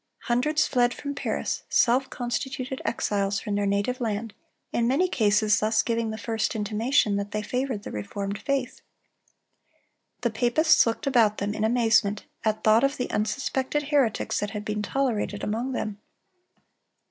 Hundreds fled from Paris, self constituted exiles from their native land, in many cases thus giving the first intimation that they favored the reformed faith. The papists looked about them in amazement at thought of the unsuspected heretics that had been tolerated among them.